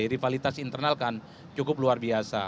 rivalitas internal kan cukup luar biasa